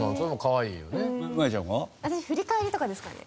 私振り返りとかですかね。